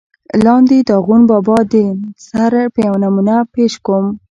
لاندې دَاخون بابا دَنثر يوه نمونه پېش کوم